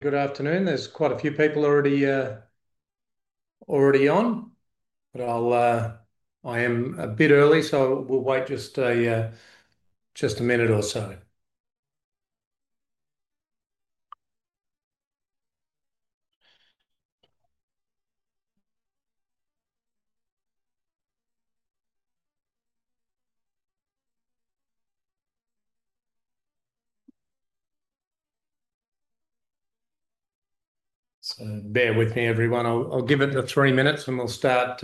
Good afternoon. There's quite a few people already on but I am a bit early, so we'll wait just a minute or so. Bear with me everyone. I'll give it the three minutes and we'll start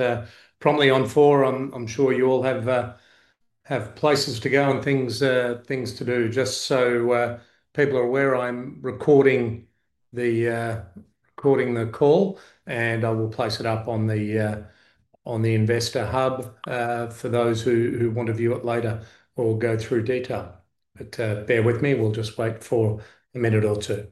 promptly on 4:00 P.M. I'm sure you all have places to go and things to do. Just so people are aware, I'm recording the call and I will place it up on the Investor Hub for those who want to view it later or go through data. Bear with me, we'll just wait for a minute or two.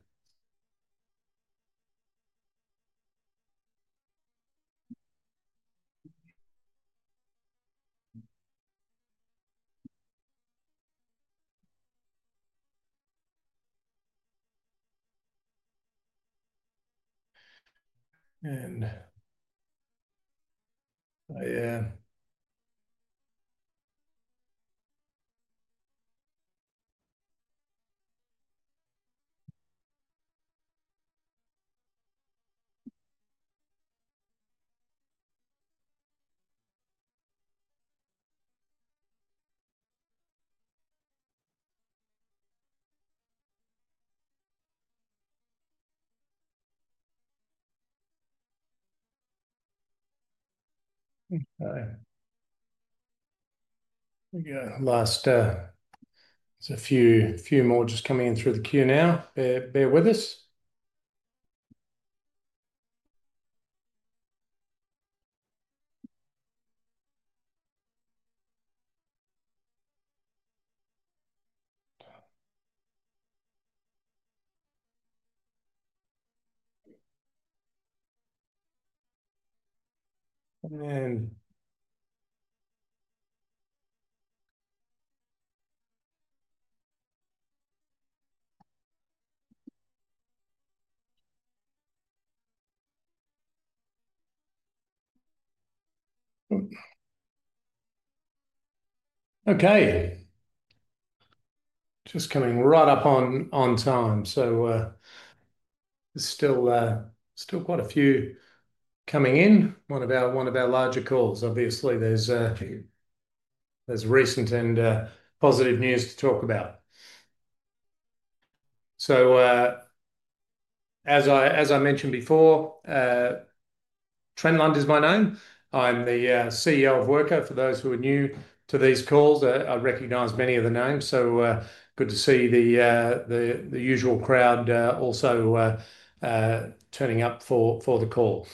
There's a few more just coming in through the queue now. Bear with me. Okay, just coming right up on time. There's still quite a few coming in. One of our larger calls, obviously there's recent and positive news to talk about. As I mentioned before, Trent Lund is my name. I'm the CEO of WRKR. For those who are new to these calls, I recognize many of the names, so good to see the usual crowd also turning up for the call.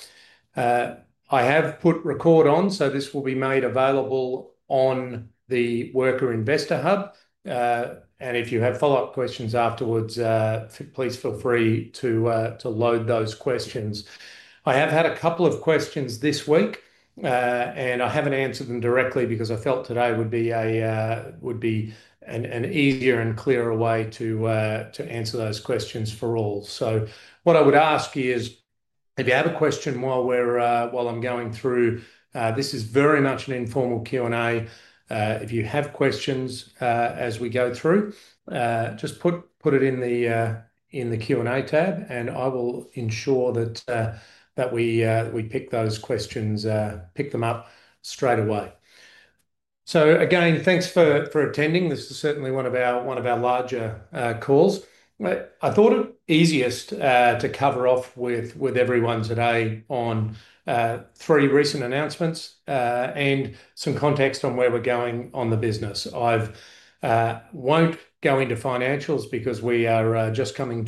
I have put record on, so this will be made available on the WRKR Investor Hub. If you have follow up questions afterwards, please feel free to load those questions. I have had a couple of questions this week and I haven't answered them directly because I felt today would be an easier and clearer way to answer those questions for all. What I would ask is if you have a question while I'm going through, this is very much an informal Q&A. If you have questions as we go through, just put it in the Q&A tab and I will ensure that we pick those questions up straight away. Again, thanks for attending. This is certainly one of our larger calls. I thought it easiest to cover off with everyone today on three recent announcements and some context on where we're going on the business. I won't go into financials because we are just concluding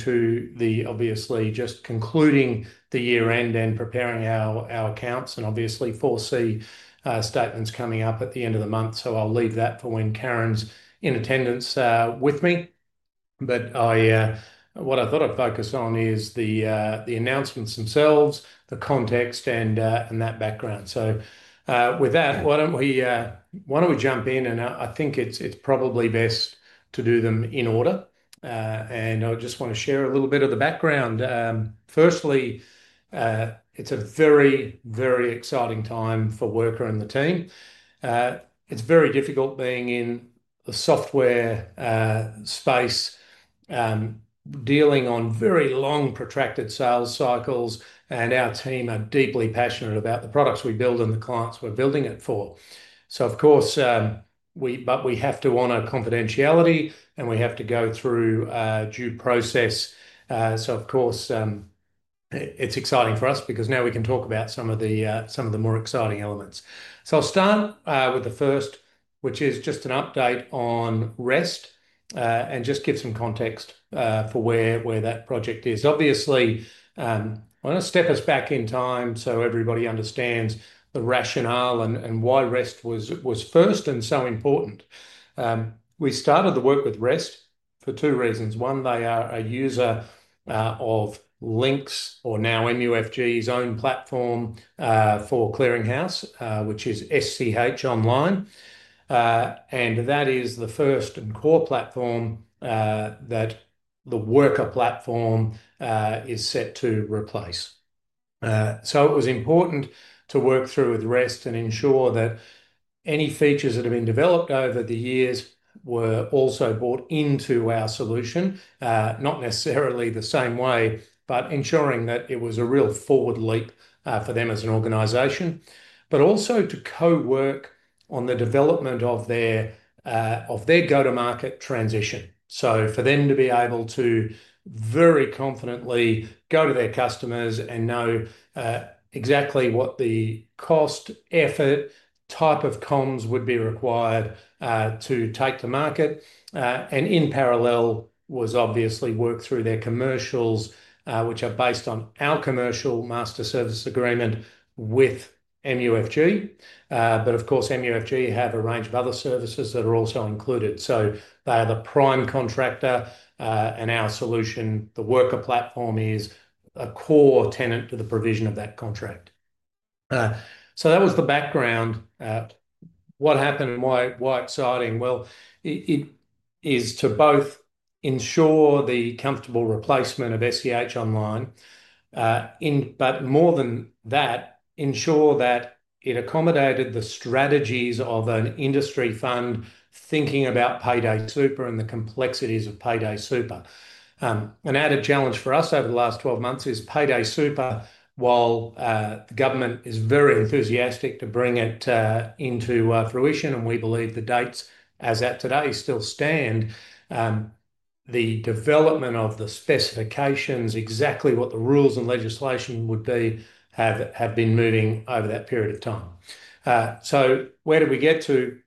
the year end and preparing our accounts and 4C statements coming up at the end of the month. I'll leave that for when Karen's in attendance with me. What I thought I'd focus on is the announcements themselves, the context, and that background. With that, why don't we jump in. I think it's probably best to do them in order and I just want to share a little bit of the background. Firstly, it's a very, very exciting time for WRKR and the team. It's very difficult being in the software space, dealing on very long protracted sales cycles. Our team are deeply passionate about the products we build and the clients we're building it for. Of course, we have to honor confidentiality and we have to go through due process. It is exciting for us because now we can talk about some of the more exciting elements. I'll start with the first, which is just an update on REST and give some context for where that project is. I want to step us back in time so everybody understands the rationale and why REST was first and so important. We started the work with REST for two reasons. One, they are a user of Link's, or now MUFG's, own PLATFORM for clearinghouse, which is SCH Online, and that is the first and core PLATFORM that the WRKR PLATFORM is set to replace. It was important to work through with REST and ensure that any features that have been developed over the years were also brought into our solution. Not necessarily the same way, but ensuring that it was a real forward leap for them as an organization, and also to co-work on the development of their go-to-market transition. For them to be able to very confidently go to their customers and know exactly what the cost, effort, type of comms would be required to take to market. In parallel, we obviously worked through their commercials, which are based on our commercial master service agreement with MUFG. MUFG have a range of other services that are also included, so they are the prime contractor. Our solution, the WRKR PLATFORM, is a core tenet to the provision of that contract. That was the background. What happened and why is it exciting? It is to both ensure the comfortable replacement of SCH Online, but more than that, ensure that it accommodated the strategies of an industry fund. Thinking about Payday Super and the complexities of Payday Super, an added challenge for us over the last 12 months is Payday Super. While government is very enthusiastic to bring it into fruition and we believe the dates as at today still stand, the development of the specifications, exactly what the rules and legislation would be, have been moving over that period of time. Where did we get to?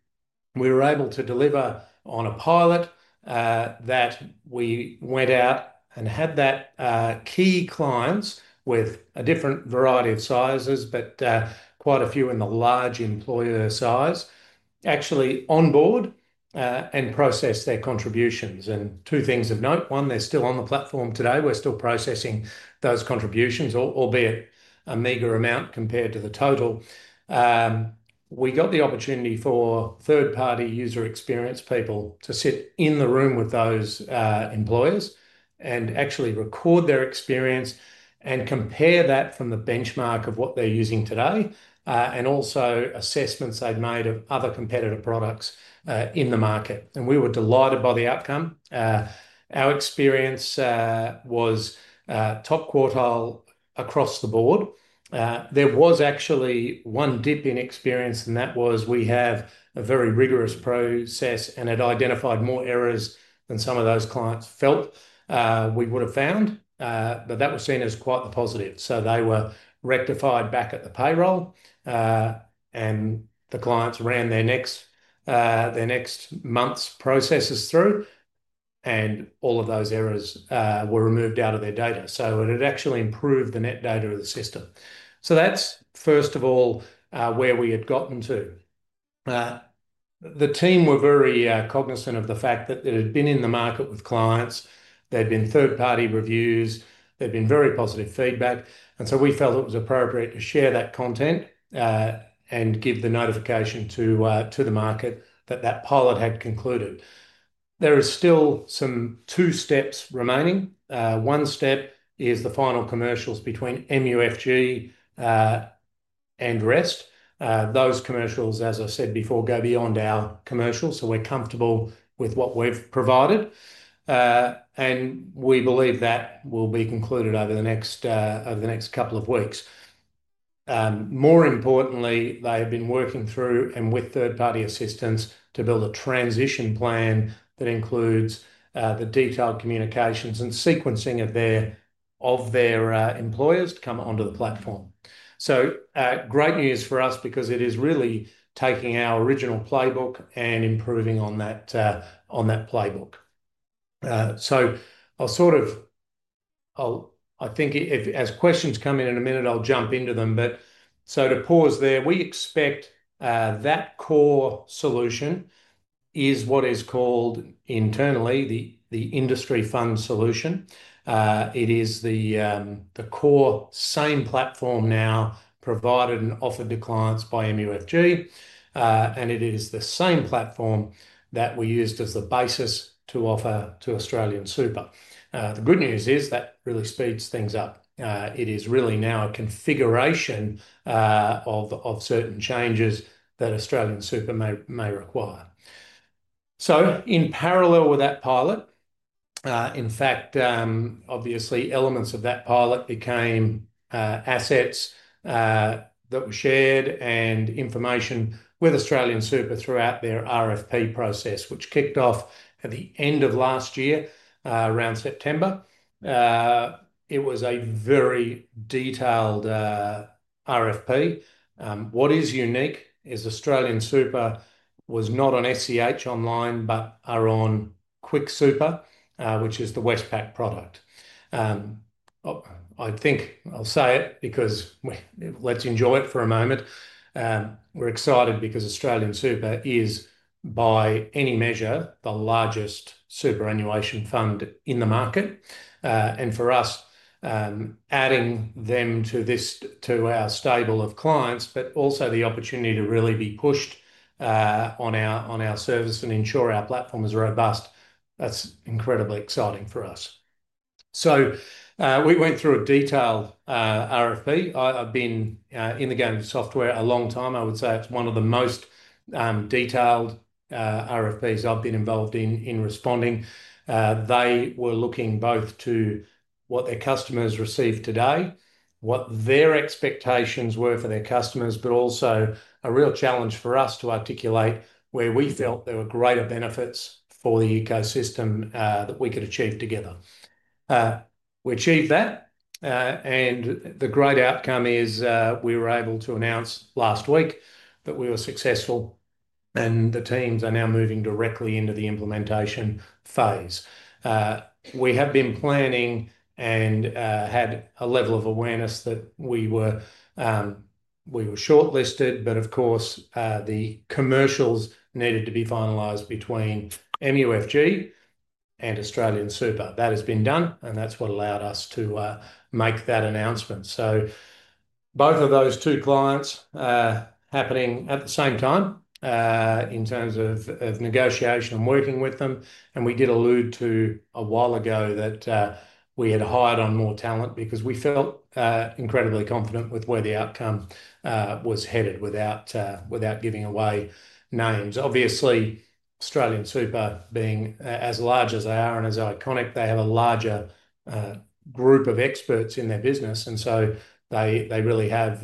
We were able to deliver on a pilot that we went out and had key clients with a different variety of sizes, but quite a few in the large employer size, actually onboard and process their contributions. Two things of note: one, they're still on the PLATFORM today. We're still processing those contributions, albeit a meager amount compared to the total. We got the opportunity for third party user experience people to sit in the room with those employers and actually record their experience and compare that from the benchmark of what they're using today and also assessments they'd made of other competitor products in the market. We were delighted by the outcome. Our experience was top quartile across the board. There was actually one dip in experience and that was we have a very rigorous process and it identified more errors than some of those clients felt we would have found. That was seen as quite the positive. They were rectified back at the payroll and the clients ran their next month's processes through and all of those errors were removed out of their data. It had actually improved the net data of the system. That's first of all where we had gotten to. The team were very cognizant of the fact that it had been in the market with clients, there'd been third party reviews, there'd been very positive feedback. We felt it was appropriate to share that content and give the notification to the market that that pilot had concluded. There is still some two steps remaining. One step is the final commercials between MUFG and REST. Those commercials, as I said before, go beyond our commercial. We're comfortable with what we've provided and we believe that will be concluded over the next couple of weeks. More importantly, they have been working through and with third party assistance to build a transition that includes the detailed communications and sequencing of their employers to come onto the PLATFORM. Great news for us because it is really taking our original playbook and improving on that playbook. I think as questions come in in a minute, I'll jump into them, but to pause there, we expect that core solution is what is called internally the Industry Fund solution. It is the core same PLATFORM now provided and offered to clients by MUFG. It is the same PLATFORM that we used as the basis to offer to AustralianSuper. The good news is that really speeds things up. It is really now a configuration of certain changes that AustralianSuper may require. In parallel with that pilot, elements of that pilot became assets that were shared and information with AustralianSuper throughout their RFP process, which kicked off at the end of last year, around September. It was a very detailed RFP. What is unique is AustralianSuper was not on SCH Online, but are on QuickSuper, which is the Westpac product. I think I'll say it because let's enjoy it for a moment. We're excited because AustralianSuper is by any measure the largest superannuation fund in the market. For us, adding them to our stable of clients, but also the opportunity to really be pushed on our service and ensure our PLATFORM is robust, that's incredibly exciting for us. We went through a detailed RFP. I've been in the game software a long time. I would say it's one of the most detailed RFPs I've been involved in responding. They were looking both to what their customers received today, what their expectations were for their customers, but also a real challenge for us to articulate where we felt there were greater benefits for the ecosystem that we could achieve together. We achieved that and the great outcome is we were able to announce last week that we were successful and the teams are now moving directly into the implementation phase. We have been planning and had a level of awareness that we were shortlisted, but of course the commercials needed to be finalized between MUFG and AustralianSuper. That has been done and that's what allowed us to make that announcement. Both of those two clients happening at the same time in terms of negotiation and working with them. We did allude to a while ago that we had hired on more talent because we felt incredibly confident with where the outcome was headed. Without giving away names, obviously, AustralianSuper, being as large as they are and as iconic, they have a larger group of experts in their business and so they really have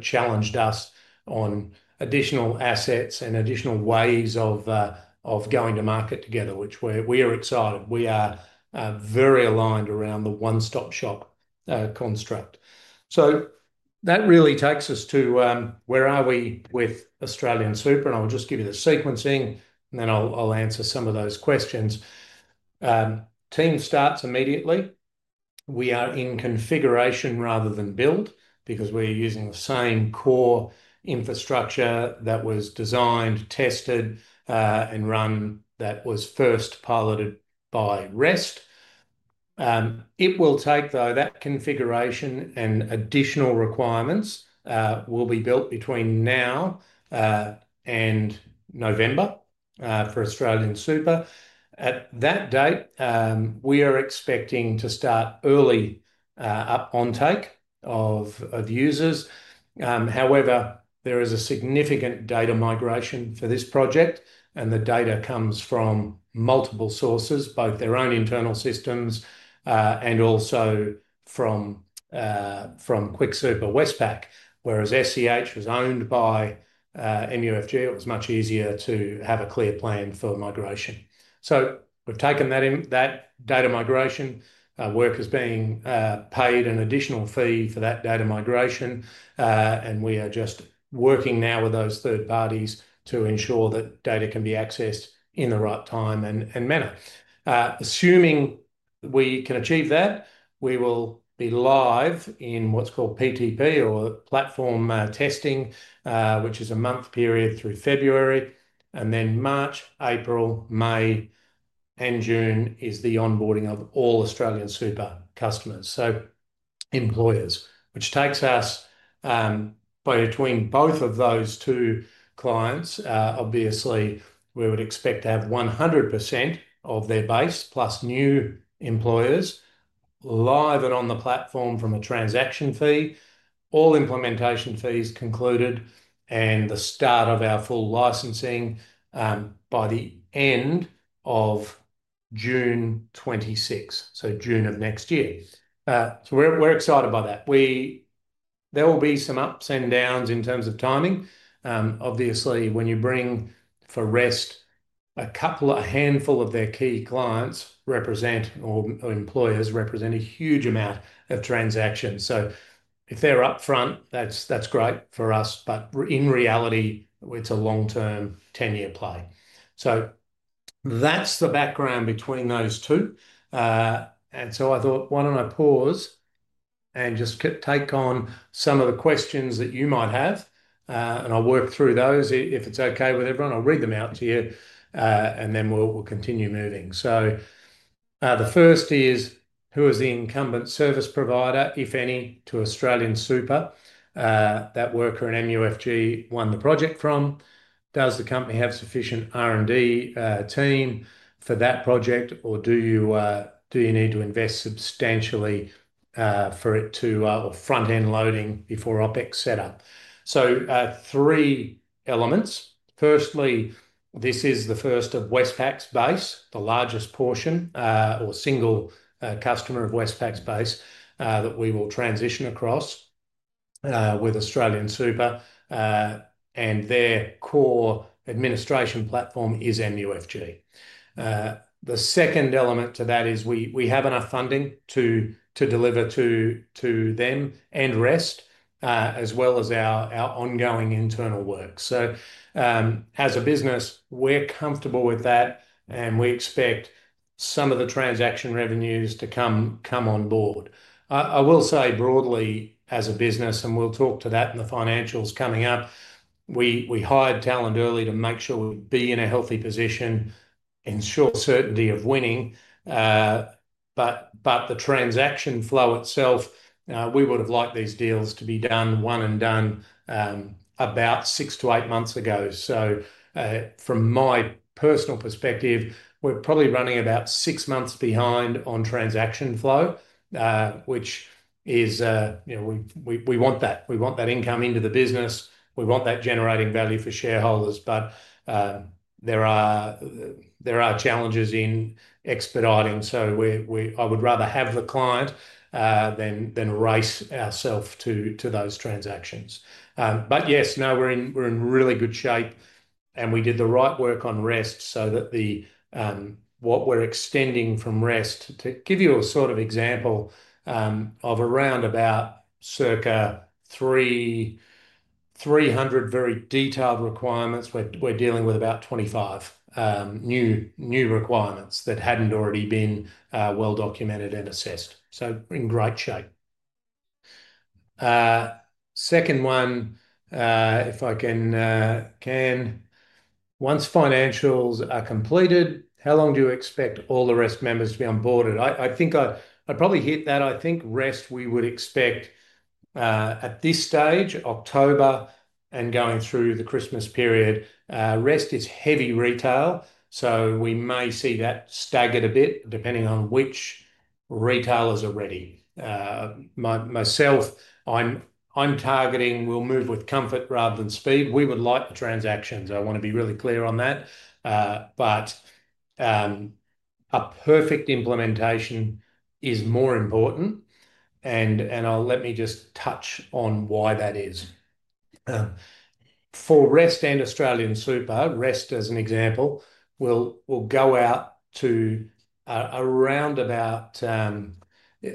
challenged us on additional assets and additional ways of going to market together, which we are excited. We are very aligned around the one stop shop construct. That really takes us to where are we with AustralianSuper. I'll just give you the sequencing and then I'll answer some of those questions. Team starts immediately. We are in configuration rather than build because we're using the same core infrastructure that was designed, tested and run, that was first piloted by REST. It will take, though, that configuration and additional requirements will be built between now and November for AustralianSuper. At that date, we are expecting to start early uptake of users. However, there is a significant data migration for this project, and the data comes from multiple sources, both their own internal systems and also from QuickSuper or Westpac. Whereas SCH Online was owned by MUFG, it was much easier to have a clear plan for migration. We have taken that data migration, WRKR is being paid an additional fee for that data migration, and we are just working now with those third parties to ensure that data can be accessed in the right time and manner. Assuming we can achieve that, we will be live in what's called PTP, or PLATFORM testing, which is a month period through February. March, April, May, and June is the onboarding of all AustralianSuper customers, so employers, which takes us between both of those two clients. Obviously, we would expect to have 100% of their base plus new employers live and on the PLATFORM from a transaction fee, all implementation fees concluded, and the start of our full licensing by the end of June 26th, so June of next year. We are excited by that. There will be some ups and downs in terms of timing. Obviously, when you bring, for REST, a couple, a handful of their key clients or employers represent a huge amount of transactions. If they're upfront, that's great for us, but in reality, it's a long-term 10-year play. That's the background between those two. I thought, why don't I pause and just take on some of the questions that you might have, and I'll work through those. If it's okay with everyone, I'll read them out to you and then we'll continue moving. The first is, who is the incumbent service provider, if any, to AustralianSuper that WRKR and MUFG won the project from? Does the company have sufficient R&D team for that project, or do you need to invest substantially for it to front-end loading before OpEx setup? Three elements. Firstly, this is the first of Westpac's base, the largest portion or single customer of Westpac's base that we will transition across with AustralianSuper, and their core administration PLATFORM is MUFG. The second element to that is we have enough funding to deliver to them and REST, as well as our ongoing internal work. As a business we're comfortable with that and we expect some of the transaction revenues to come on board. I will say broadly as a business, and we'll talk to that in the financials coming up. We hired talent early to make sure we be in a healthy position. In short, certainty of winning. The transaction flow itself, we would have liked these deals to be done one and done about six to eight months ago. From my personal perspective we're probably running about six months behind on transaction flow, which is, you know, we want that, we want that income into the business, we want that generating value for shareholders. There are challenges in expediting, so I would rather have the client than race ourself to those transactions. Yes, we're in really good shape and we did the right work on REST so that what we're extending from REST, to give you a sort of example, of around about circa 300 very detailed requirements, we're dealing with about 25 new requirements that hadn't already been well documented and assessed, so in great shape. Second one, if I can, once financials are completed, how long do you expect all the REST members to be onboarded? I think I'd probably hit that. I think REST, we would expect at this stage October and going through the Christmas period. REST is heavy retail, so we may see that staggered a bit depending on which retailers are ready. Myself, I'm targeting we'll move with comfort rather than speed. We would like the transactions, I want to be really clear on that, but a perfect implementation is more important. Let me just touch on why that is for REST and AustralianSuper. REST, as an example, will go out to around about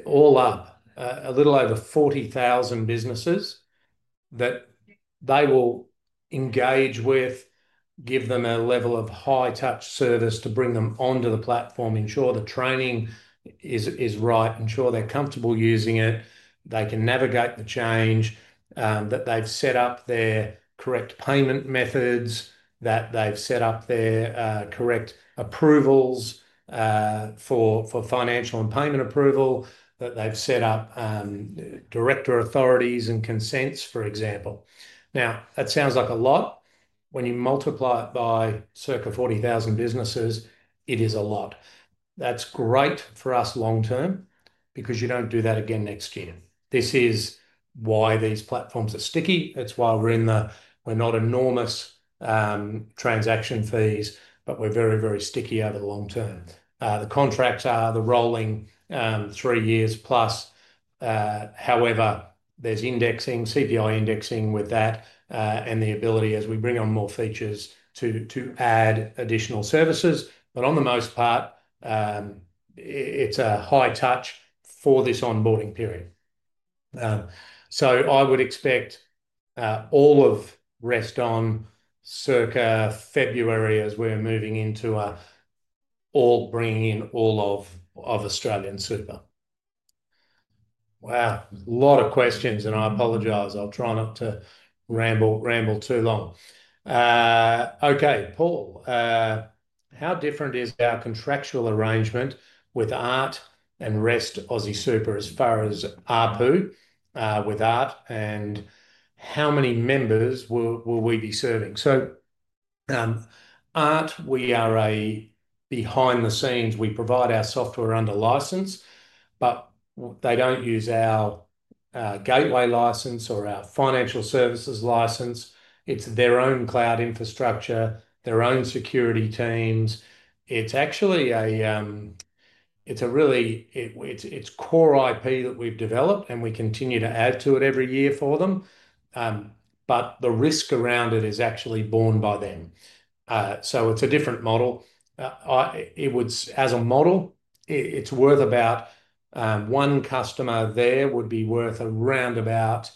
all up a little over 40,000 businesses that they will engage with. Give them a level of high touch service to bring them onto the PLATFORM, ensure the training is right, ensure they're comfortable using it, they can navigate the change, that they've set up their correct payment methods, that they've set up their correct approvals for financial and payment approval, that they've set up director authorities and consents, for example. That sounds like a lot. When you multiply it by circa 40,000 businesses, it is a lot. That's great for us long term because you don't do that again next year. This is why these PLATFORMs are sticky. It's why we're in the, we're not enormous transaction fees, but we're very, very sticky over the long term. The contracts are the rolling three years plus, however there's CPI indexing with that and the ability as we bring on more features to add additional services, but for the most part it's a high touch for this onboarding period. I would expect all of REST on circa February as we're moving into bringing in all of AustralianSuper. Wow. A lot of questions and I apologize. I'll try not to ramble too long. Okay, Paul, how different is our contractual arrangement with ART and REST as far as ARPU with ART and how many members will we be serving? ART, we are behind the scenes, we provide our software under license, but they don't use our gateway license or our financial services license. It's their own cloud infrastructure, their own security teams. It's actually a really, it's core IP that we've developed and we continue to add to it every year for them, but the risk around it is actually borne by them. It's a different model. As a model, it's worth about one customer there would be worth around about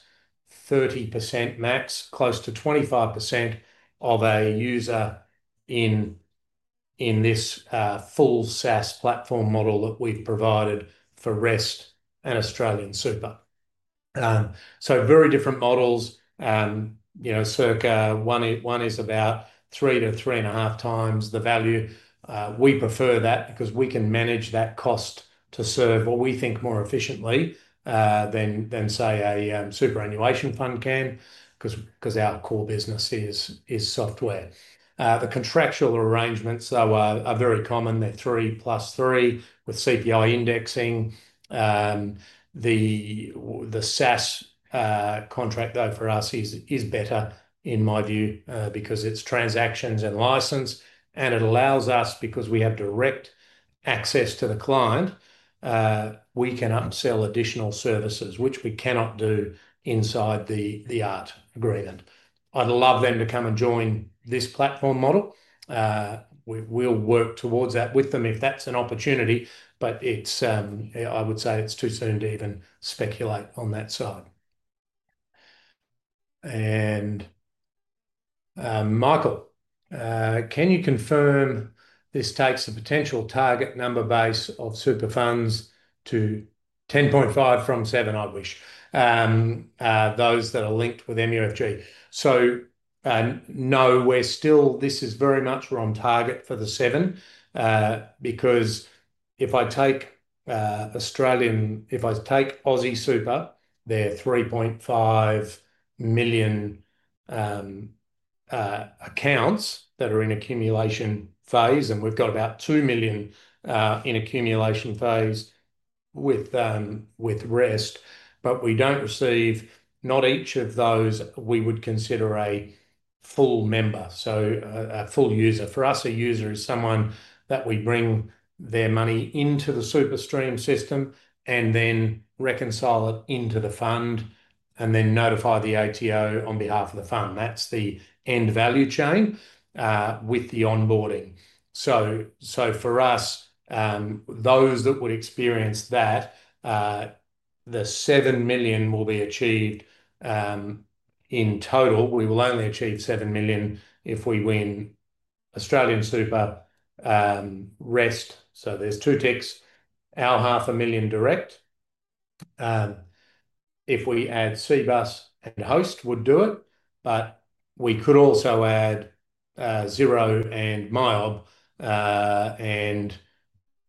30% max, close to 25% of a user in this full SaaS PLATFORM model that we've provided for REST and AustralianSuper. Very different models, you know, circa one is about three to three and a half times the value. We prefer that because we can manage that cost to serve, or we think more efficiently than say a superannuation fund can, because our core business is software. The contractual arrangements though are very common. They're three plus three with CPI indexing. The SaaS contract though for us is better in my view because it's transactions and license and it allows us, because we have direct access to the client, we can upsell additional services which we cannot do inside the ART agreement. I'd love them to come and join this PLATFORM model. We'll work towards that with them if that's an opportunity. I would say it's too soon to even speculate on that side. Marco, can you confirm this takes the potential target number base of super funds to 10.5 from 7? I wish those that are linked with MUFG. No, we're still, this is very much, we're on target for the seven because if I take AustralianSuper, they're 3.5 million accounts that are in accumulation phase and we've got about 2 million in accumulation phase with REST, but we don't receive, not each of those we would consider a full member. So a full user. For us, a user is someone that we bring their money into the SuperStream system and then reconcile it into the fund and then notify the ATO on behalf of the fund. That's the end value chain with the onboarding. For us, those that would experience that, the 7 million will be achieved in total. We will only achieve 7 million if we win AustralianSuper, REST. There's two ticks, our half a million direct. If we add Cbus and Hostplus, we would do it, but we could also add Xero and MYOB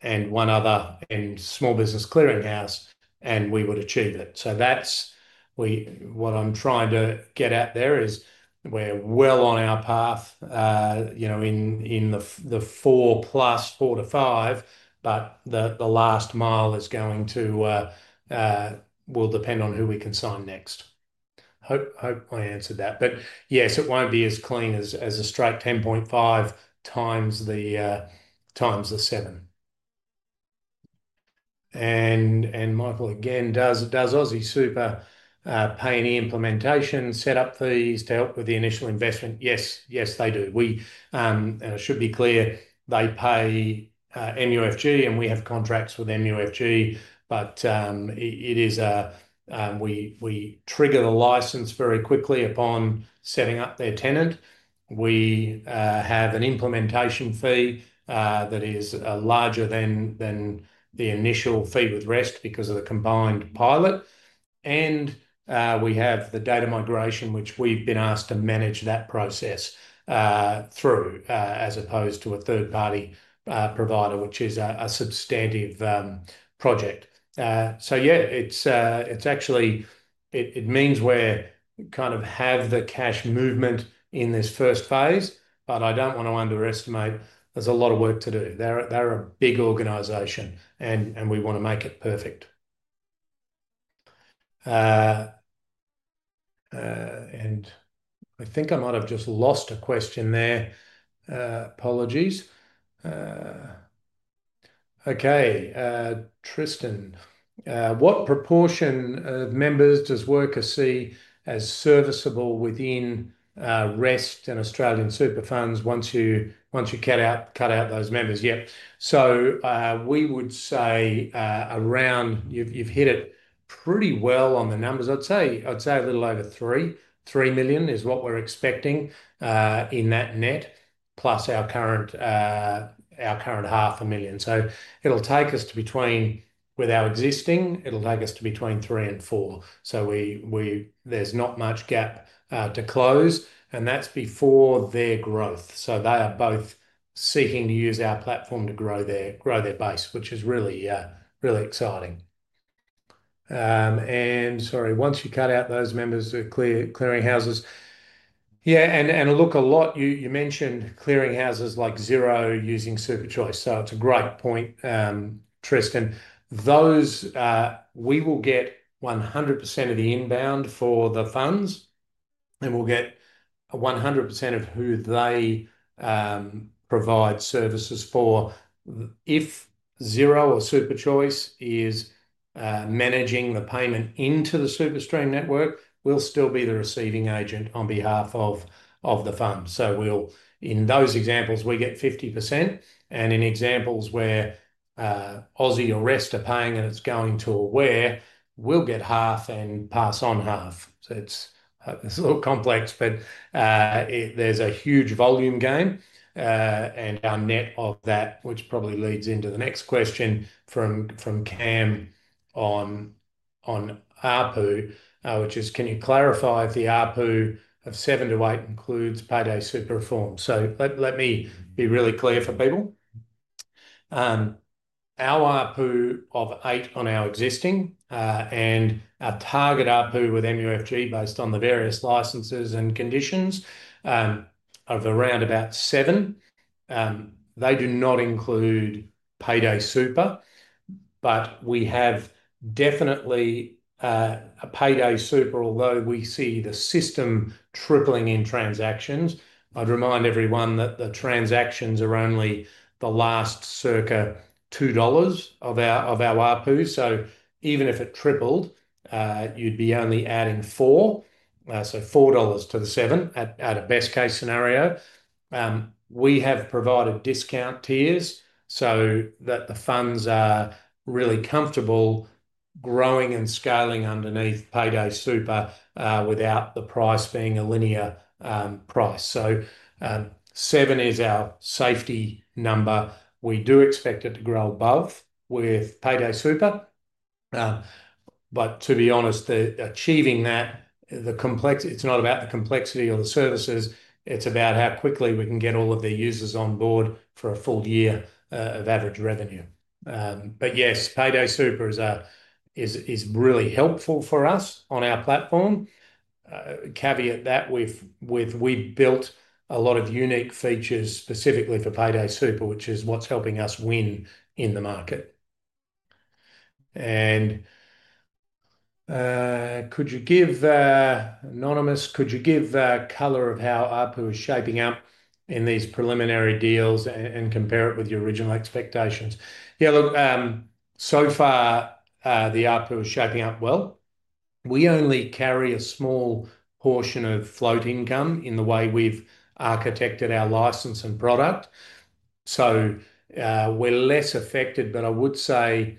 and one other in small business clearinghouse and we would achieve it. That's what I'm trying to get out there is we're well on our path, you know, in the four plus four to five. The last mile is going to depend on who we can sign next. Hope I answered that, but yes, it won't be as clean as a straight 10.5 times the 7, and Michael, again, does Aussie Super pay any implementation setup fees to help with the initial investment. Yes, yes they do. We should be clear they pay MUFG and we have contracts with MUFG, but it is, we trigger the license very quickly upon setting up their tenant. We have an implementation fee that is larger than the initial fee with REST because of the combined pilot and we have the data migration, which we've been asked to manage that process through as opposed to a third party provider, which is a substantive project. It actually means we kind of have the cash movement in this first phase. I don't want to underestimate, there's a lot of work to do. They're a big organization and we want to make it perfect and I think I might have just lost a question there. Apologies. Tristan, what proportion of members does WRKR see as serviceable within REST and AustralianSuper funds once you cut out those members? Yep. We would say around, you've hit it pretty well on the numbers. I'd say a little over 3.3 million is what we're expecting in that net plus our current half a million. It'll take us to between, with our existing, it'll take us to between three and four. There's not much gap to close and that's before their growth. They are both seeking to use our PLATFORM to grow their base, which is really, really exciting and sorry, once you cut out those members of clearinghouses. A lot, you mentioned clearinghouses like Xero using SuperChoice. It's a great point, Tristan. Those, we will get 100% of the inbound for the funds and we'll get 100% of who they provide services for. If Xero or SuperChoice is managing the payment into the SuperStream network, we'll still be the receiving agent on behalf of the fund. In those examples, we get 50%, and in examples where Aussie or REST are paying and it's going to Aware, we'll get half and pass on half. It's a little complex, but there's a huge volume game, and our net of that probably leads into the next question from Cam on ARPU, which is, can you clarify if the ARPU of 7-8 includes Payday Super reform? Let me be really clear for people: our ARPU of 8 on our existing and our target ARPU with MUFG, based on the various licenses and conditions of around about 7, do not include Payday Super, but we have definitely a Payday Super. Although we see the system tripling in transactions, I'd remind everyone that the transactions are only the last circa $2 of our ARPU. Even if it tripled, you'd be only adding $4 to the 7. At a best-case scenario, we have provided discount tiers so that the funds are really comfortable growing and scaling underneath Payday Super without the price being a linear price. 7 is our safety number. We do expect it to grow above with Payday Super, but to be honest, achieving that, the complexity, it's not about the complexity of the services, it's about how quickly we can get all of their users on board for a full year of average revenue. Yes, Payday Super is really helpful for us on our PLATFORM. Caveat that we built a lot of unique features specifically for Payday Super, which is what's helping us win in the market. Could you give color of how ARPU is shaping up in these preliminary deals and compare it with your original expectations? Yeah, look, so far the ARPU is shaping up well. We only carry a small portion of float income in the way we've architected our license and product, so we're less affected. I would say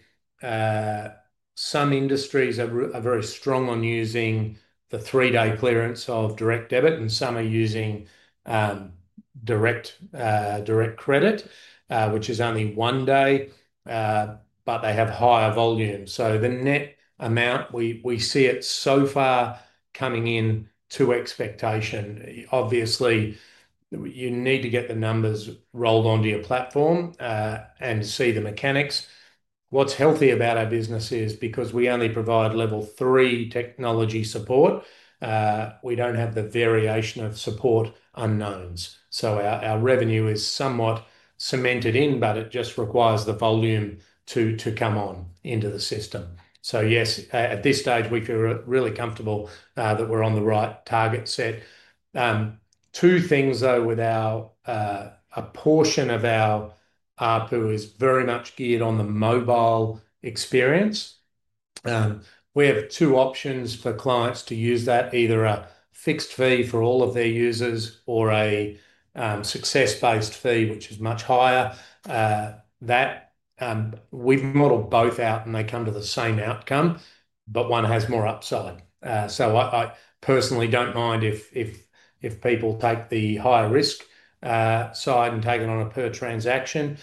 some industries are very strong on using the three-day clearance of direct debit, and some are using direct credit, which is only one day, but they have higher volume. The net amount, we see it so far coming in to expectation. Obviously, you need to get the numbers rolled onto your PLATFORM and see the mechanics. What's healthy about our business is because we only provide level three technology support, we don't have the variation of support unknowns. Our revenue is somewhat cemented in, but it just requires the volume to come on into the system. At this stage we feel really comfortable that we're on the right target set. Two things though with our portion of our ARPU is very much geared on the mobile experience. We have two options for clients to use that, either a fixed fee for all of their users or a success-based fee, which is much higher. We've modeled both out and they come to the same outcome, but one has more upside. I personally don't mind if people take the higher risk side and take it on a per transaction.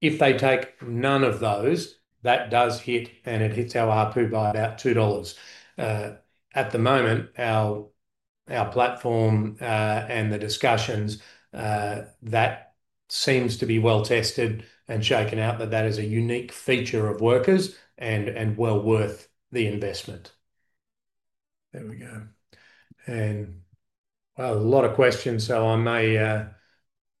If they take none of those, that does hit and it hits our ARPU by about $2 at the moment. Our PLATFORM and the discussions, that seems to be well tested and shaken out. That is a unique feature of WRKR and well worth the investment. There we go. A lot of questions. I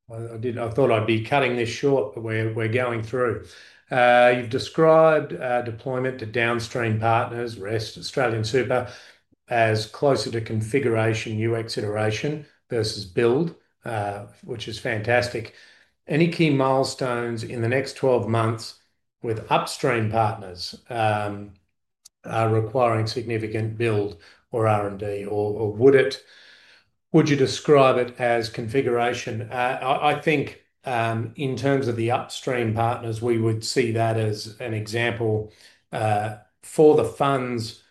thought I'd be cutting this short, but we're going through. You described deployment to downstream partners REST, AustralianSuper as closer to configuration, UX iteration versus build, which is fantastic. Any key milestones in the next 12 months with upstream partners requiring significant build or R&D? Or would you describe it as configuration? I think in terms of the upstream partners, we would see that as an example. For the funds,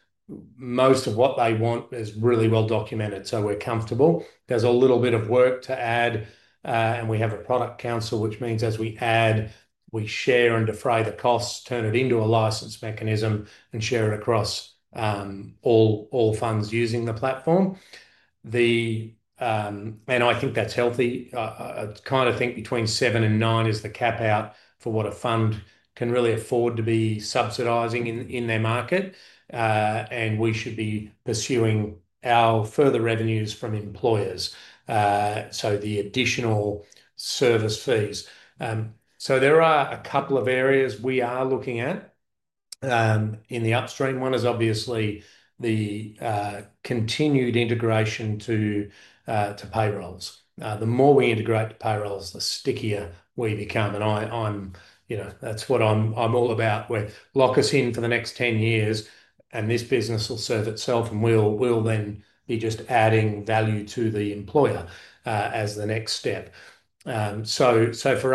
most of what they want is really well documented, so we're comfortable. There's a little bit of work to add and we have a product council, which means as we add, we share and defray the costs, turn it into a license mechanism, and share it across all funds using the PLATFORM. I think that's healthy. I kind of think between 7 and 9 is the cap out for what a fund can really afford to be subsidizing in their market and we should be pursuing our further revenues from employers, so the additional service fees. There are a couple of areas we are looking at in the upstream. One is obviously the continued integration to payrolls. The more we integrate the payrolls, the stickier we become. That's what I'm all about, where lock us in for the next 10 years and this business will serve itself and we'll then be just adding value to the employer as the next step. For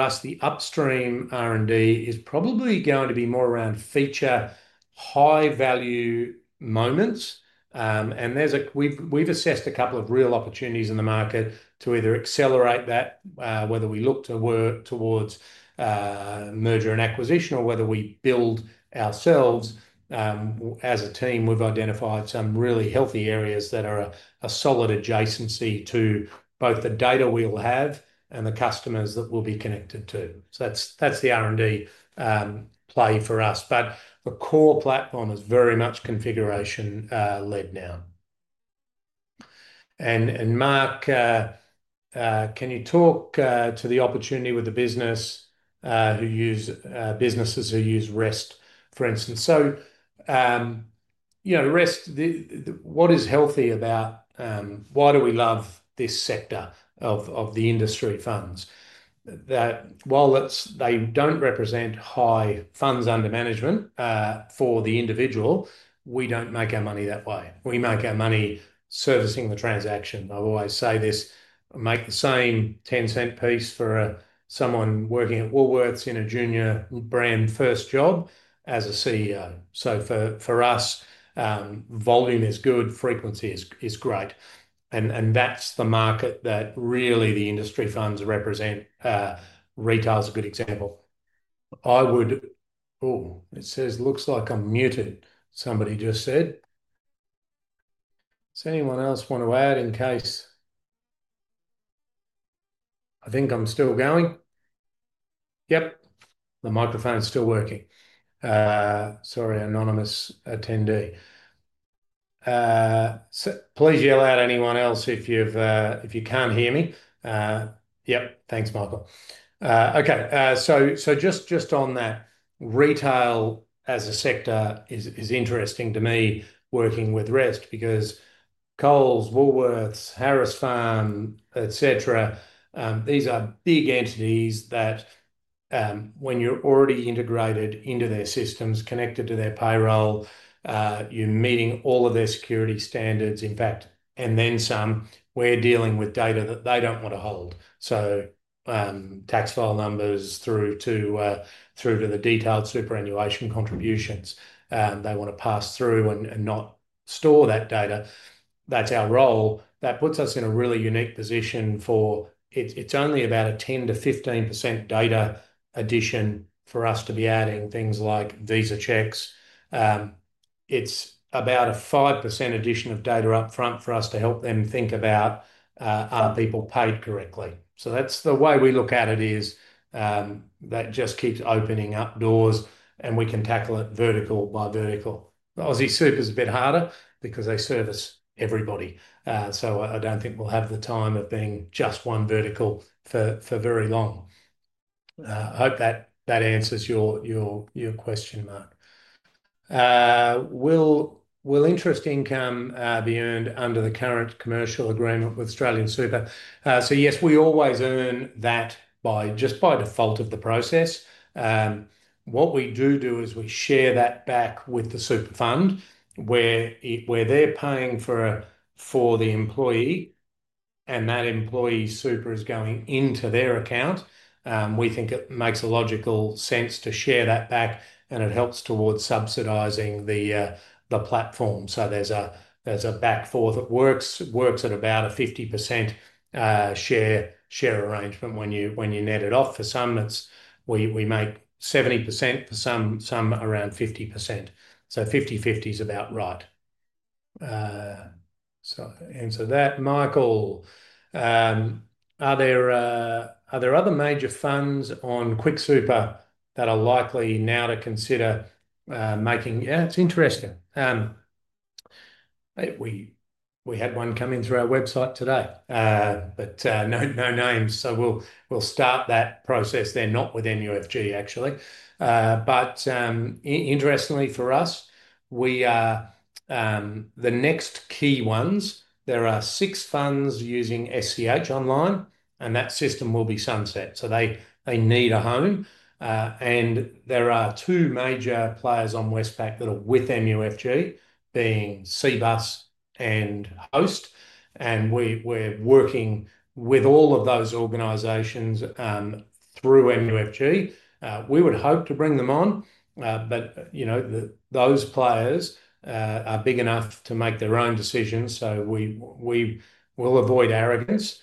us, the upstream R&D is probably going to be more around feature high value moments and we've assessed a couple of real opportunities in the market to either accelerate that, whether we look to work towards merger and acquisition or whether we build ourselves as a team. We've identified some really healthy areas that are a solid adjacency to both the data we'll have and the customers that we'll be connected to. That's the R&D play for us. The core PLATFORM is very much configuration led now. Mark, can you talk to the opportunity with the businesses who use REST, for instance? You know REST, what is healthy about why do we love this sector of the industry? Funds that, while they don't represent high funds under management for the individual, we don't make our money that way. We make our money servicing the transaction. I always say this: make the same $0.10 piece for someone working at Woolworths in a junior brand first job as a CEO. For us, volume is good, frequency is great, and that's the market that really the industry funds represent. Retail's a good example. Looks like I'm muted. Somebody just said does anyone else want to add in case. I think I'm still going. Yep, the microphone's still working. Sorry, anonymous attendee, please yell out anyone else if you can't hear me. Yep. Thanks, Michael. Just on that, retail as a sector is interesting to me, working with REST, because Coles, Woolworths, Harris Farm Markets, etc., these are big entities that, when you're already integrated into their systems, connected to their payroll, you're meeting all of their security standards, in fact, and then some. We're dealing with data that they don't want to hold. Tax file numbers through to the detailed superannuation contributions they want to pass through and not store that data. That's our role. That puts us in a really unique position, for it's only about a 10%-15% data addition for us to be adding things like Visa checks. It's about a 5% addition of data up front for us to help them think about are people paid correctly. That's the way we look at it. That just keeps opening up doors and we can tackle it vertical by vertical. AustralianSuper is a bit harder because they service everybody. I don't think we'll have the time of being just one vertical for very long. I hope that answers your question. Mark, will interest income be earned under the current commercial agreement with AustralianSuper? Yes, we always earn that just by default of the process. What we do is we share that back with the super fund where they're paying for the employee and that employee's super is going into their account. We think it makes logical sense to share that back and it helps towards subsidizing the PLATFORM. There's a back four that works at about a 50% share arrangement. When you net it off, for some, we make 70%, for some around 50%. So 50/50 is about right. To answer that, Michael, are there other major funds on QuickSuper that are likely now to consider making—yeah, it's interesting. We had one come in through our website today, but no names, so we'll start that process. They're not with MUFG actually, but interestingly for us, we are the next key ones. There are six funds using SCH Online and that system will be sunset, so they need a home. There are two major players on Westpac that are with MUFG being Cbus and Hostplus. We're working with all of those organizations through MUFG. We would hope to bring them on. Those players are big enough to make their own decisions, so we will avoid arrogance.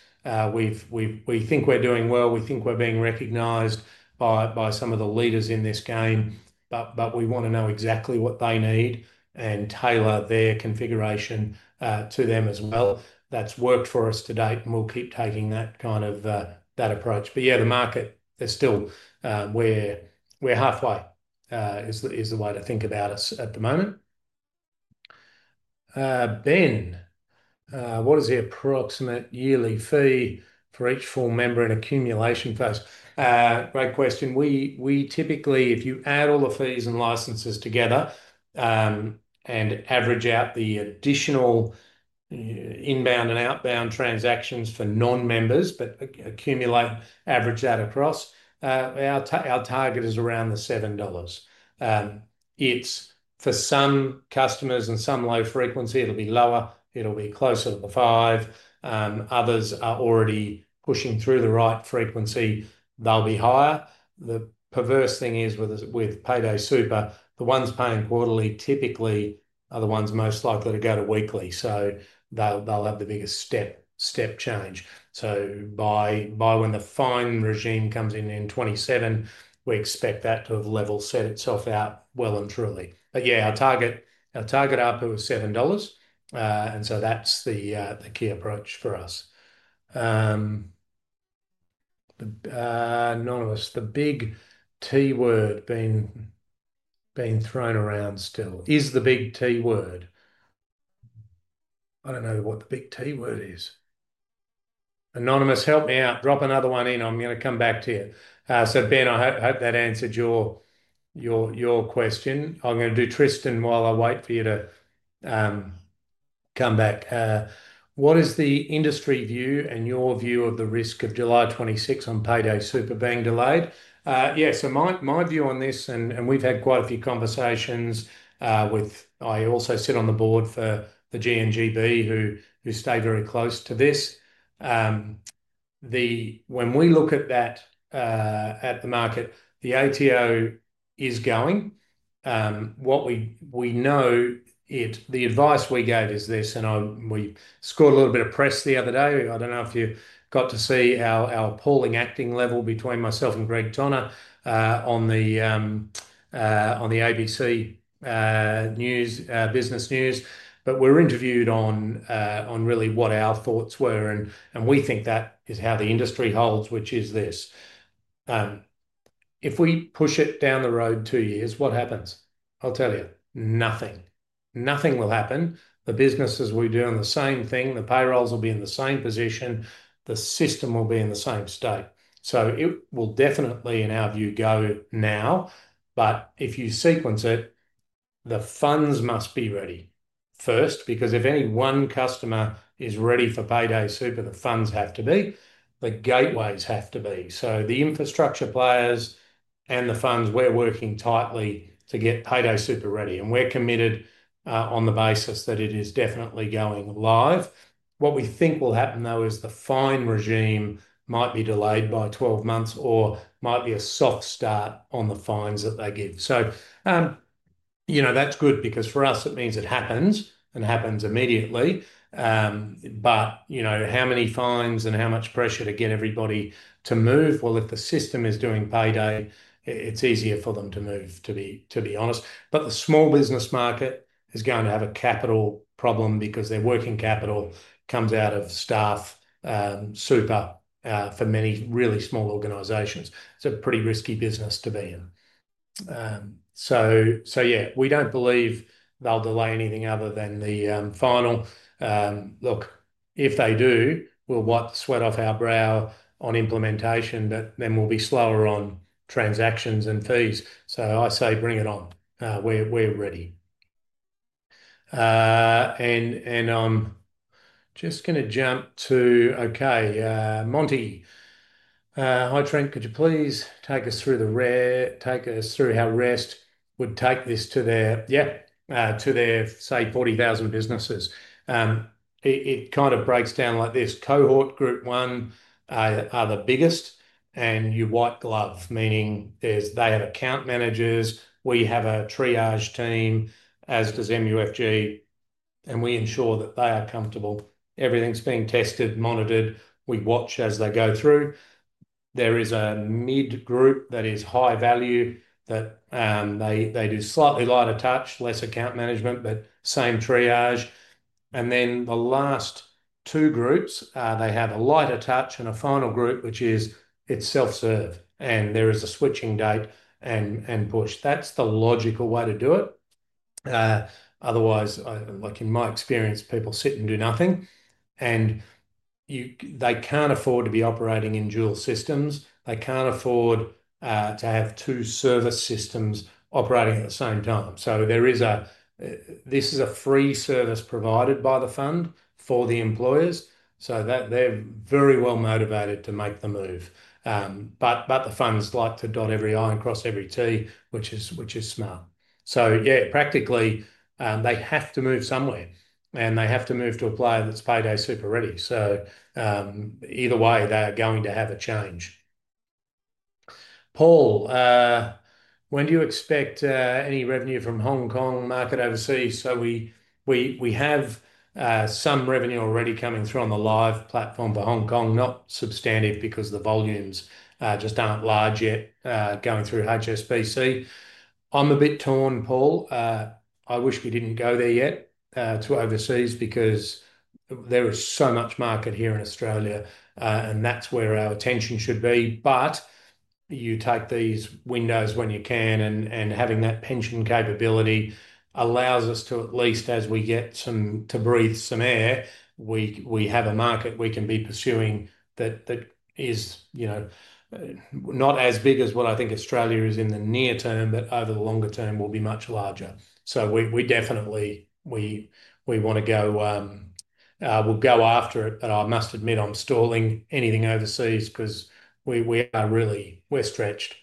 We think we're doing well, we think we're being recognized by some of the leaders in this game, but we want to know exactly what they need and tailor their configuration to them as well. That's worked for us to date and we'll keep taking that approach. The market is still—we're halfway is the way to think about us at the moment. Ben, what is the approximate yearly fee for each full member in accumulation phase? Great question. We typically, if you add all the fees and licenses together and average out the additional inbound and outbound transactions for non-members but accumulate average that across, our target is around the $7. For some customers and some low frequency, it'll be lower, it'll be closer to the $5. Others are already pushing through the right frequency, they'll be higher. The perverse thing is with Payday Super, the ones paying quarterly typically are the ones most likely to go to weekly, so they'll have the biggest step change. By when the fine regime comes in in 2027, we expect that to have level set itself out well and truly. Our target ARPU is $7 and so that's the key approach for us. Anonymous, the big T word being thrown around still is the big T word. I don't know what the big T word is. Anonymous, help me out. Drop another one in. I'm going to come back to you, so Ben, I hope that answered your question. I'm going to do Tristan while I wait for you to come back. What is the industry view and your view of the risk of July 26th on Payday Super being delayed? Yeah, so my view on this, and we've had quite a few conversations with—I also sit on the board for the GNGB, who stay very close to this. When we look at the market, the ATO is going—what we know, the advice we gave is this. We scored a little bit of press the other day. I don't know if you got to see our appalling acting level between myself and Greg Tonner on the ABC News business news, but we were interviewed on really what our thoughts were, and we think that is how the industry holds, which is this: if we push it down the road two years, what happens? I'll tell you, nothing. Nothing will happen. The businesses will be doing the same thing, the payrolls will be in the same position, the system will be in the same state. It will definitely, in our view, go now. If you sequence it, the funds must be ready first because if any one customer is ready for Payday Super, the funds have to be. The gateways have to be. The infrastructure players and the funds—we're working tightly to get Payday Super ready, and we're committed on the basis that it is definitely going live. What we think will happen, though, is the fine regime might be delayed by 12 months or might be a soft start on the fines that they give. That's good because for us it means it happens and happens immediately. How many fines and how much pressure to get everybody to move? If the system is doing payday, it's easier for them to move, to be honest. The small business market is going to have a capital problem because their working capital comes out of staff super. For many really small organizations, it's a pretty risky business to be in. We don't believe they'll delay anything other than the final look. If they do, we'll wipe the sweat off our brow on implementation, but then we'll be slower on transactions and fees. I say bring it on, we're ready, and I'm just going to jump to—okay, Monty. Hi, Trent. Could you please take us through the rare—take us through how REST would take this to their—yeah, to their, say, 40,000 businesses? It kind of breaks down like this: cohort, Group one are the biggest, and you white glove, meaning there's. They have account managers, we have a triage team as does MUFG, and we ensure that they are comfortable. Everything's being tested, monitored. We watch as they go through. There is a mid group that is high value that they do slightly lighter touch, less account management, but same triage. The last two groups, they have a lighter touch and a final group which is self-serve, and there is a switching date and push. That's the logical way to do it. Otherwise, like in my experience, people sit and do nothing, and they can't afford to be operating in dual systems. They can't afford to have two service systems operating at the same time. This is a free service provided by the fund for the employers so that they're very well motivated to make the move. The funds like to dot every I, cross every T, which is smart. Yeah, practically they have to move somewhere, and they have to move to a player that's Payday Super ready. Either way, they're going to have a change. Paul, when do you expect any revenue from Hong Kong market overseas? We have some revenue already coming through on the live PLATFORM for Hong Kong. Not substantive because the volumes just aren't large yet going through HSBC. I'm a bit torn, Paul. I wish we didn't go there yet to overseas because there is so much market here in Australia, and that's where our attention should be. You take these windows when you can, and having that pension capability allows us to, at least as we get to breathe some air, we have a market we can be pursuing that is not as big as what I think Australia is in the near term, but over the longer term will be much larger. We definitely want to go, we'll go after it. I must admit I'm stalling anything overseas because we are really, we're stretched.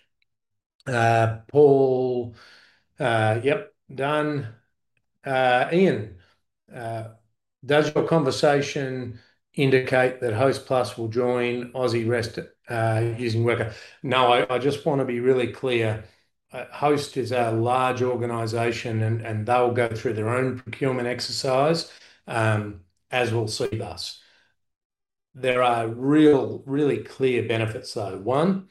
Paul: Yep, done. Ian, does your conversation indicate that Hostplus will join Aussie REST using WRKR? No, I just want to be really clear. Hostplus is a large organization, and they'll go through their own procurement exercise as will CBAs. There are really clear benefits though. One,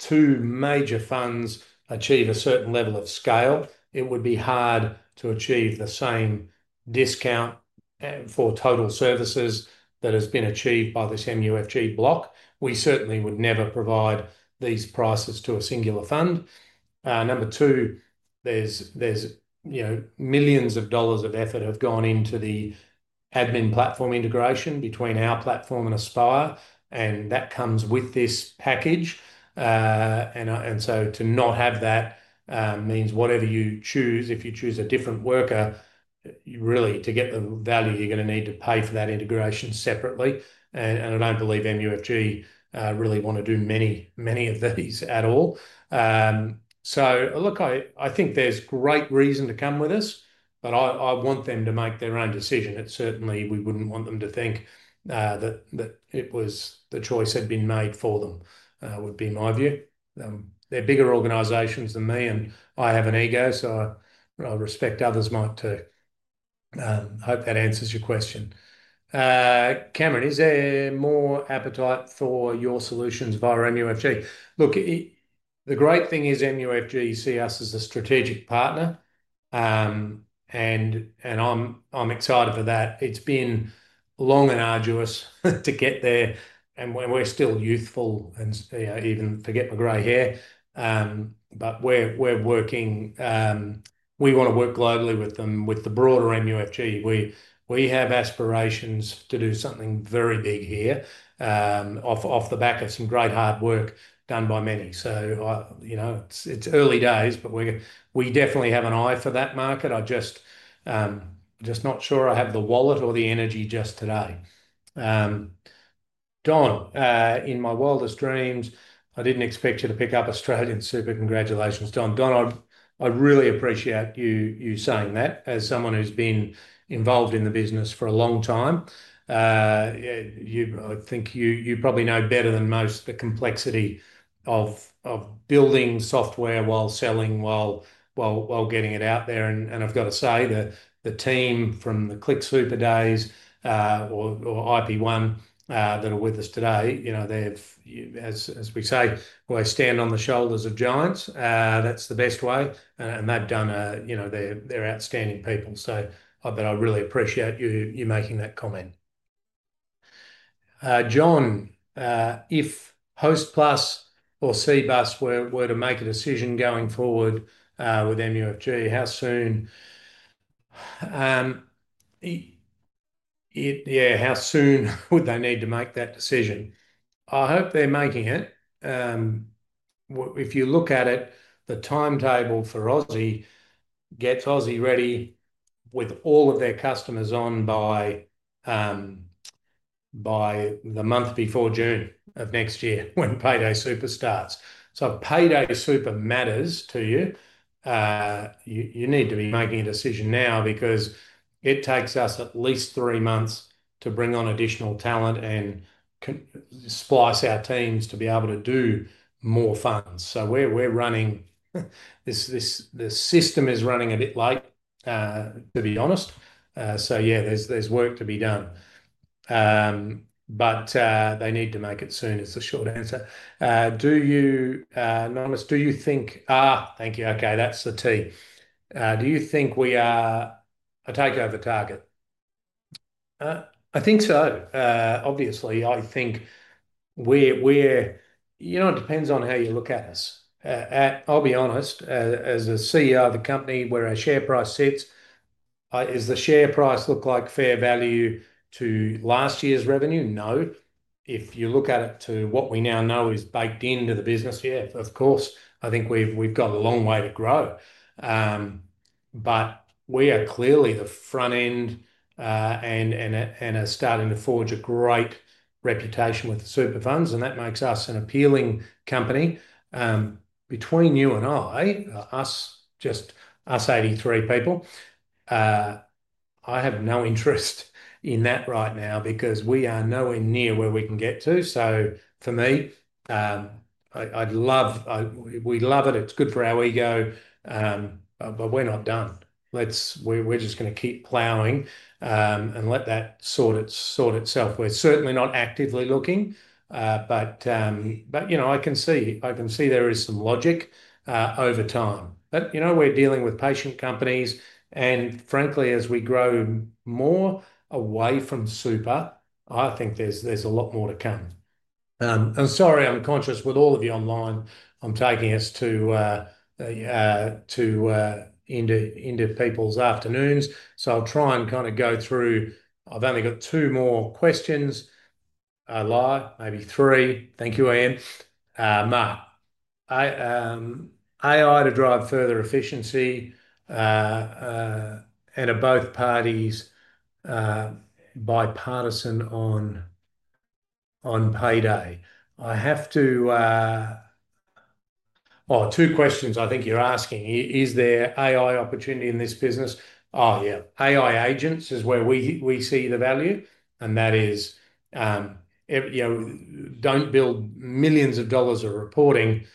two major funds achieve a certain level of scale, it would be hard to achieve the same discount for total services that has been achieved by this MUFG block. We certainly would never provide these prices to a singular fund. Number two, there's millions of dollars of effort have gone into the admin PLATFORM integration between our PLATFORM and Aspire, and that comes with this package. To not have that means whatever you choose, if you choose a different WRKR, really to get the value, you're going to need to pay for that integration separately. I don't believe MUFG really want to do many, many of these at all. I think there's great reason to come with us, but I want them to make their own decision. Certainly, we wouldn't want them to think that the choice had been made for them would be my view. They're bigger organizations than me and I have an ego, so I respect others might too. Hope that answers your question, Cameron. Is there more appetite for your solutions via MUFG? The great thing is MUFG see us as a strategic partner and I'm excited for that. It's been long and arduous to get there and we're still youthful and even forget my gray hair, but we're working, we want to work globally with them, with the broader MUFG. We have aspirations to do something very big here off the back of some great hard work done by many. It's early days but we definitely have an eye for that market. I'm just not sure I have the wallet or the energy just today, Don, in my wildest dreams I didn't expect you to pick up AustralianSuper. Congratulations, Don. Don, I really appreciate you saying that. As someone who's been involved in the business for a long time, I think you probably know better than most the complexity of building software while selling, while getting it out there. I've got to say the team from the ClickSuper days or IP1 that are with us today, as we say we stand on the shoulders of giants. That's the best way and they've done. They're outstanding people. I really appreciate you making that comment. John, if Hostplus or Cbus were to make a decision going forward with MUFG, how soon would they need to make that decision? I hope they're making it. If you look at it, the timetable for Aussie gets Aussie ready with all of their customers on by the month before June of next year when Payday Super starts. If Payday Super matters to you, you need to be making a decision now because it takes us at least three months to bring on additional talent and splice our teams to be able to do more funds. The system is running a bit late to be honest. There's work to be done but they need to make it soon is the short answer. Do you think we are a takeover target? I think so, obviously. I think it depends on how you look at us. I'll be honest, as CEO of the company where our share price sits, does the share price look like fair value to last year's revenue? No. If you look at it to what we now know is baked into the business, yeah, of course I think we've got a long way to grow, but we are clearly the front end and are starting to forge a great reputation with super funds, and that makes us an appealing company. Between you and me, us, just us 83 people, I have no interest in that right now because we are nowhere near where we can get to. For me, we love it. It's good for our ego, but we're not done. We're just going to keep plowing and let that sort itself. We're certainly not actively looking, but I can see there is some logic over time. We're dealing with patient companies and, frankly, as we grow more away from Super, I think there's a lot more to come. Sorry, I'm conscious with all of you online. I'm taking us into people's afternoons, so I'll try and go through. I've only got two more questions live, maybe three. Thank you. Ian. AI to drive further efficiency and are both parties bipartisan on payday? I have to. Two questions I think you're asking: is there AI opportunity in this business? Oh, yeah. AI agents is where we see the value, and that is don't build millions of dollars of reporting.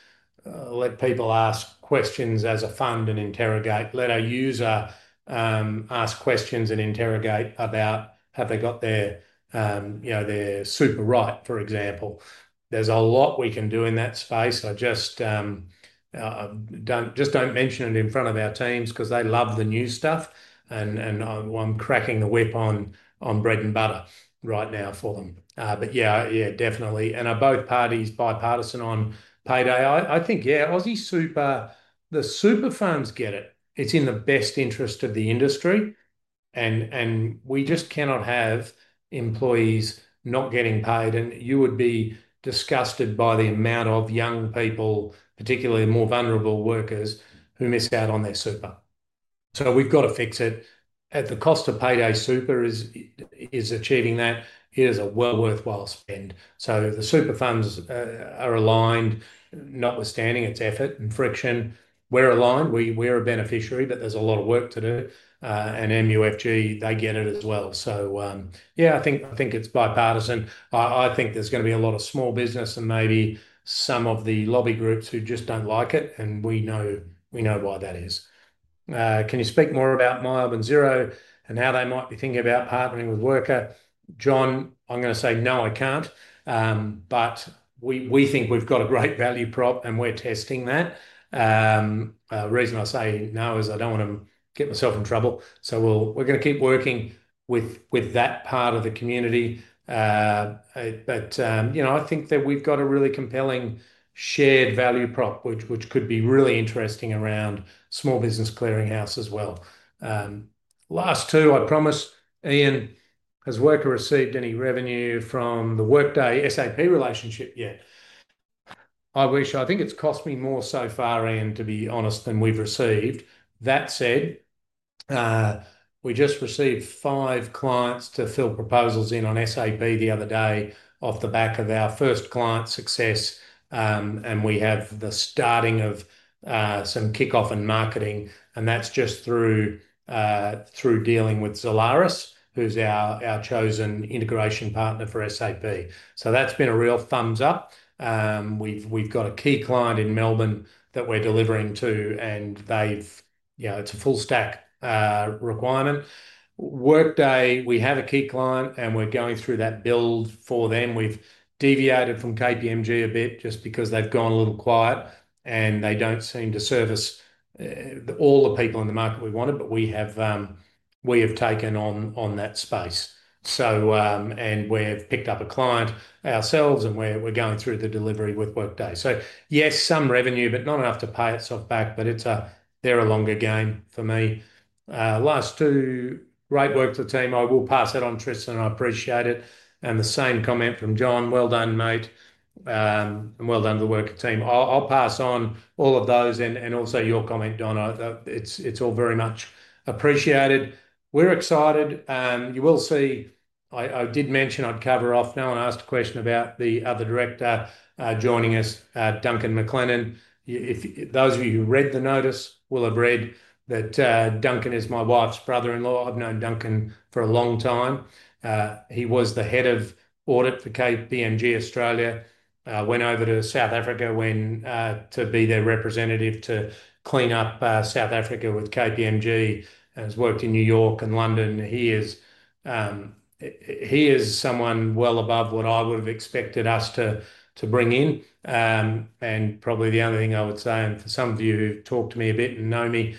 Let people ask questions as a fund and interrogate. Let our user ask questions and interrogate about have they got their, you know, their super right, for example. There's a lot we can do in that space. Just don't mention it in front of our teams because they love the new stuff, and I'm cracking the whip on bread and butter right now for them. Yeah, yeah, definitely. Are both parties bipartisan on payday? I think, yeah. AustralianSuper, the super funds get it. It's in the best interest of the industry, and we just cannot have employees not getting paid. You would be disgusted by the amount of young people, particularly more vulnerable workers, who missed out on their super. We've got to fix it at the cost of payday. Super is achieving that. It is a well worthwhile spend. The super funds are aligned, notwithstanding its effort and friction. We're aligned, we're a beneficiary, but there's a lot of work to do, and MUFG, they get it as well. Yeah, I think it's bipartisan. I think there's going to be a lot of small business and maybe some of the lobby groups who just don't like it and we know why that is. Can you speak more about MYOB and Xero and how they might be thinking about partnering with WRKR? John? I'm going to say no. I can't. We think we've got a great value prop and we're testing that. The reason I say no is I don't want to get myself in trouble. We are going to keep working with that part of the community. I think that we've got a really compelling shared value prop which could be really interesting around Small Business Clearinghouse as well. Last two, I promise. Ian, has WRKR received any revenue from the Workday SAP relationship yet? I wish. I think it's cost me more so far, Ian, to be honest, than we've received. That said, we just received five clients to fill proposals in on SAP the other day off the back of our first client success and we have the starting of some kickoff and marketing and that's just through dealing with Zalaris, who's our chosen integration partner for SAP. That's been a real thumbs up. We've got a key client in Melbourne that we're delivering to and they've, you know, it's a full stack requirement Workday. We have a key client and we're going through that build for them. We've deviated from KPMG Australia a bit just because they've gone a little quiet and they don't seem to service all the people in the market we wanted. We have taken on that space and we've picked up a client ourselves and we're going through the delivery with Workday. Yes, some revenue, but not enough to pay itself back. They're a longer game for me. Last two, great work to the team. I will pass that on. Tristan, I appreciate it. The same comment from John. Well done, mate. Well done to the WRKR team. I'll pass on all of those. Also your comment, Donna. It's all very much appreciated. We're excited. You will see. I did mention I'd cover off. No one asked a question about the other director joining us, Duncan Mclennan. Those of you who read the notice will have read that Duncan is my wife's brother-in-law. I've known Duncan for a long time. He was the Head of Audit for KPMG Australia, went over to South Africa to be their representative to clean up South Africa with KPMG, has worked in New York and London. He is someone well above what I would have expected us to bring in and probably the only thing I would say. For some of you who've talked to me a bit and know me,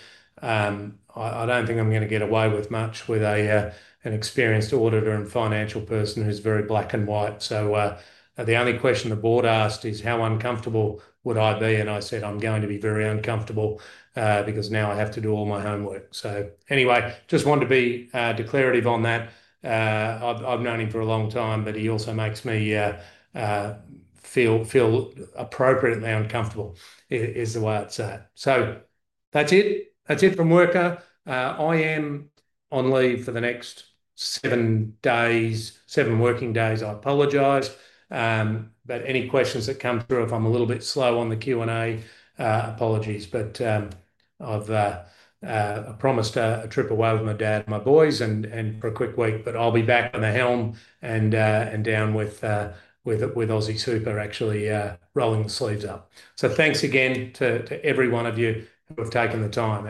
I don't think I'm going to get away with much with an experienced auditor and financial person who's very black and white. The only question the board asked is how uncomfortable would I be? I said I'm going to be very uncomfortable because now I have to do all my homework. I just wanted to be declarative on that. I've known him for a long time, but he also makes me feel appropriately uncomfortable is the way it's at. That's it from WRKR. I am on leave for the next seven working days. I apologize. Any questions that come through, if I'm a little bit slow on the Q&A, apologies, but I've promised a trip away with my dad, my boys, and for a quick week. I'll be back at the helm and down with my, with AustralianSuper actually rolling the sleeves up. Thanks again to every one of you who have taken the time.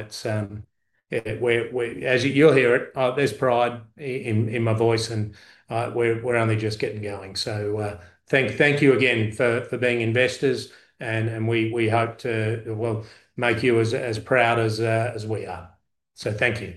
As you'll hear it, there's pride in my voice and we're only just getting going, so thank you again for being investors and we hope to make you as proud as we are, so thank you.